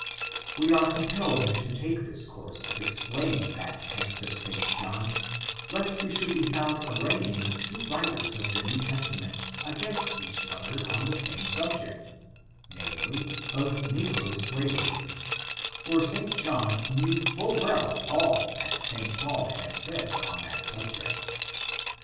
We are compelled to take this course of explaining that text of St. John, lest we should be found arraign ing two writers of the New Testament against each other on the same subject, namely, of negro slavery ; for St. John knew full well all that St. Paul had said on that subject.